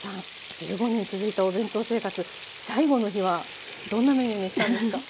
１５年続いたお弁当生活最後の日はどんなメニューにしたんですか？